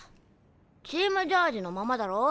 チームジャージのままだろ。